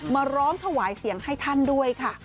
มาร้องถวายเสียงให้ท่านด้วยค่ะ